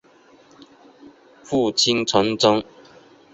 父亲陈贞。